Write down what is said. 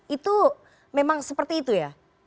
itu memang seperti itu ya